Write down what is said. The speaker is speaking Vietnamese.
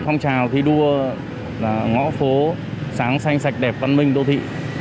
phong trào thi đua là ngõ phố sáng xanh sạch đẹp văn minh đô thị